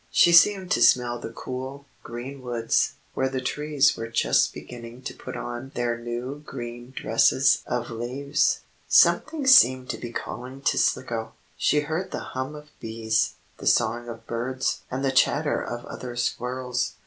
She seemed to smell the cool, green woods, where the trees were just beginning to put on their new green dresses of leaves. Something seemed to be calling to Slicko. She heard the hum of bees, the song of birds and the chatter of other squirrels.